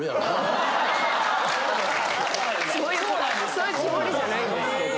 そういうつもりじゃないんですけど。